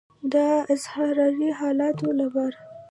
د اضطراري حالاتو لپاره.